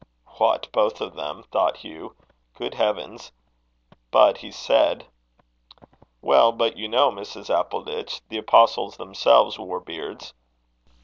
"What! both of them?" thought Hugh. "Good heavens!" But he said: "Well, but you know, Mrs. Appleditch, the Apostles themselves wore beards."